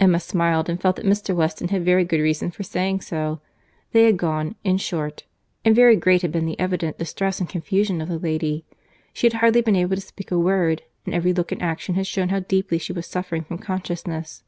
Emma smiled, and felt that Mr. Weston had very good reason for saying so. They had gone, in short—and very great had been the evident distress and confusion of the lady. She had hardly been able to speak a word, and every look and action had shewn how deeply she was suffering from consciousness.